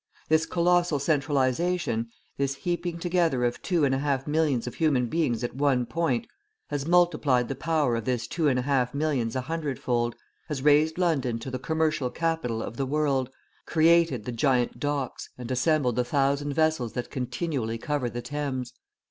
This colossal centralisation, this heaping together of two and a half millions of human beings at one point, has multiplied the power of this two and a half millions a hundredfold; has raised London to the commercial capital of the world, created the giant docks and assembled the thousand vessels that continually cover the Thames.